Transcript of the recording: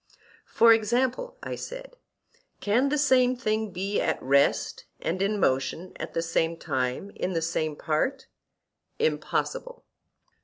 For example, I said, can the same thing be at rest and in motion at the same time in the same part? Impossible.